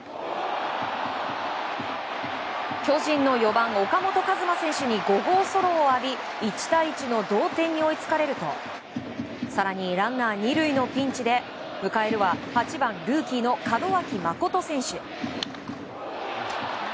巨人の４番、岡本和真選手に５号ソロを浴び１対１の同点に追いつかれると更にランナー２塁のピンチで迎えるは８番ルーキーの門脇誠選手。